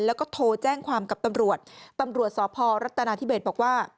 แล้วก็โทรแจ้งความกับตำรวจตำรวจสพรัฐนาธิเบศบอกว่า